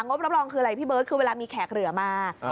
บรับรองคืออะไรพี่เบิร์ตคือเวลามีแขกเหลือมา